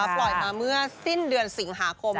ปล่อยมาเมื่อสิ้นเดือนสิงหาคม